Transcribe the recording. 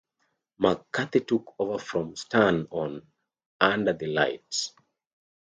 McCarthy took over from Stern on "Under the Lights".